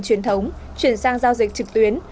truyền thống chuyển sang giao dịch trực tuyến